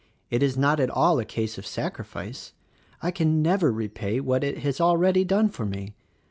It is not at all a case of sacrifice: I can never repay what it has already done for me.